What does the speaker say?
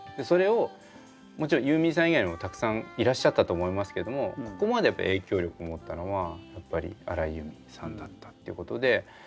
それをもちろんユーミンさん以外にもたくさんいらっしゃったと思いますけどもここまでやっぱ影響力を持ったのはやっぱり荒井由実さんだったっていうことで。